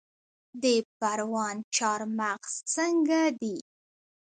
د پروان چارمغز څنګه دي؟